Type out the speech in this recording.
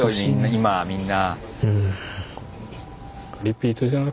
今みんな。